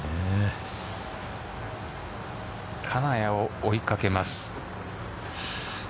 金谷を追いかけます。